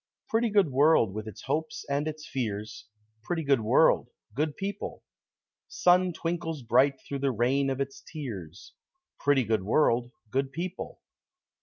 Pretty good world with its hopes and its fears Pretty good world, good people! Sun twinkles bright through the rain of its tears Pretty good world, good people!